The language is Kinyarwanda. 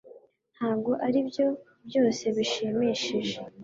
Ntabwo aribyo byose bishimishije